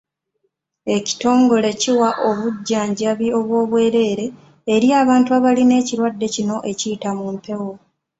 Ekitongole kiwa obujjanjabi obw'obwereere eri abantu abalina ekirwadde kino ekiyita mu mpewo.